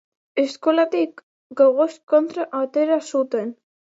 Eskolatik gogoz kontra atera zuten.